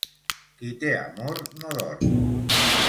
Qui té amor no dorm.